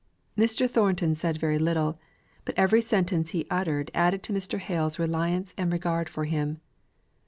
Mr. Thornton said very little; but every sentence he uttered added to Mr. Hale's reliance and regard for him.